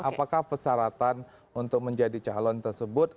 apakah persyaratan untuk menjadi calon tersebut